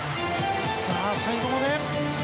さあ、最後まで！